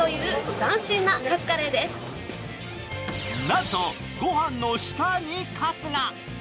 なんと御飯の下にカツが。